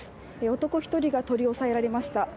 男１人が取り押さえられました。